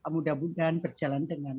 mudah mudahan berjalan dengan